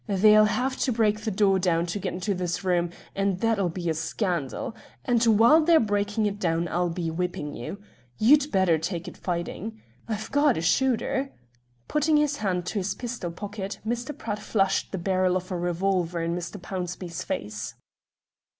They'll have to break the door down to get into this room, and that'll be a scandal; and while they're breaking it down I'll be whipping you. You'd better, take it fighting. I've got a shooter." Putting his hand to his pistol pocket, Mr. Pratt flashed the barrel of a revolver in Mr. Pownceby's face.